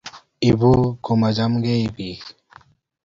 ibu komachamgei biik